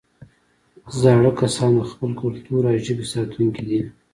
زاړه کسان د خپل کلتور او ژبې ساتونکي دي